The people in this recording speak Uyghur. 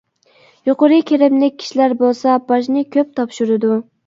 يۇقىرى كىرىملىك كىشىلەر بولسا باجنى كۆپ تاپشۇرىدۇ.